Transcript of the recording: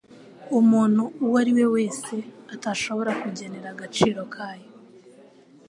umuntu uwo ari we wese atashobora kugenera agaciro kayo.